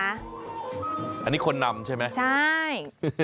อันนี้คนนำใช่ไหมใช่